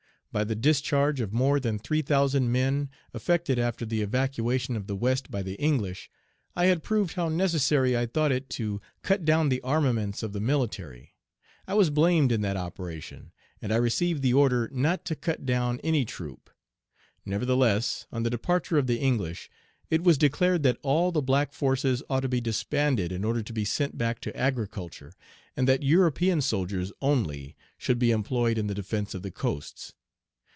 By the discharge of more than three thousand men, effected after the evacuation of the West by the English, I had proved how necessary I thought it to cut down the armaments of the military. I was blamed in that operation, and I received the order not to cut down any troop. Nevertheless, on the departure of the English, it was declared that all the black forces ought to be disbanded in order to be sent back to agriculture, and that European soldiers only should be employed in the defence of the coasts.